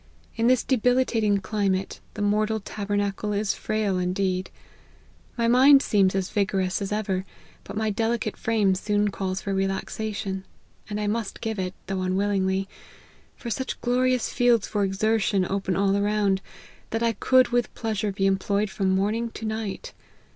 In this debilitating climate, the mortal tabernacle is frail indeed : my mind seems as vigorous as ever, but my delicate frame soon calls for relaxation ; and I must give it, though unwillingly ; for such glorious fields for exertion open all around, that I could with pleasure be employed from morning to night.